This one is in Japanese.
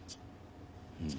うん。